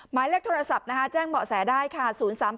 หมายเลขโทรศัพท์นะคะแจ้งเบาะแสได้ค่ะ